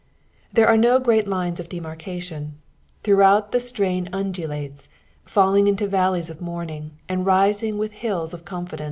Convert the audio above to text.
— There are no great lines of danareatlon ; throughout the ttrain undulates, fait ing into valleys qf mourning, and rising with hiUs of confidenM.